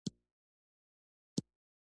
افغانستان د د اوبو سرچینې له امله شهرت لري.